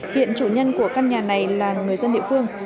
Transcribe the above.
hiện chủ nhân của căn nhà này là người dân địa phương